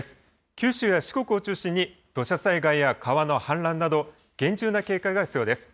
九州や四国を中心に、土砂災害や川の氾濫など、厳重な警戒が必要です。